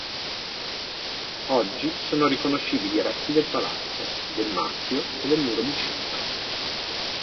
Oggi sono riconoscibili resti del palazzo, del mastio e del muro di cinta.